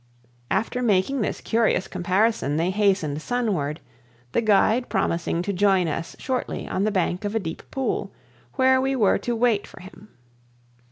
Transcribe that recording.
After making this curious comparison they hastened sunward, the guide promising to join us shortly on the bank of a deep pool, where we were to wait for him.